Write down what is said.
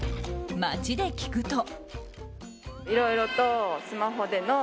街で聞くと。